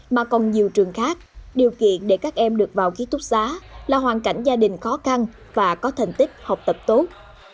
mà còn nhiều trường khác điều kiện để các em được vào ký túc xá là hoàn cảnh gia đình khó khăn và có thành tích học tập tốt